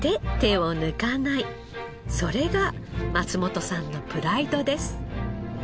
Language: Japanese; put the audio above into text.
それが松本さんのプライドです。